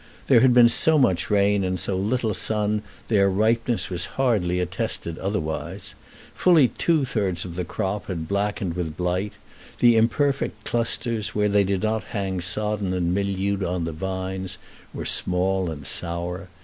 There had been so much rain and so little sun that their ripeness was hardly attested otherwise. Fully two thirds of the crop had blackened with blight; the imperfect clusters, where they did not hang sodden and mildewed on the vines, were small and sour.